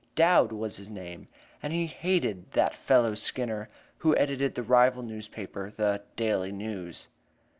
Dowd was his name, and he hated that fellow Skinner, who edited the rival newspaper, the "Daily News."